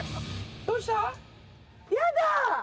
どうした？